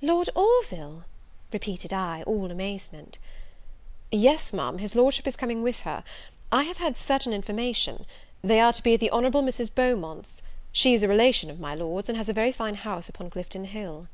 "Lord Orville!" repeated I, all amazement. "Yes, Ma'am; his Lordship is coming with her. I have had certain information. They are to be at the Honourable Mrs. Beaumont's. She is a relation of my Lord's, and has a very fine house upon Clifton Hill."